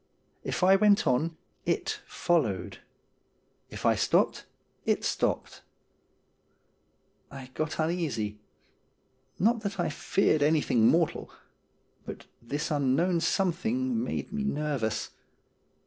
If I went on, it followed. If I stopped, it stopped. I got uneasy ; not that I feared any thing mortal ; but this unknown something made me nervous.